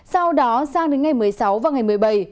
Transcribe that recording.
sau đó sang đến ngày một mươi sáu và ngày một mươi bảy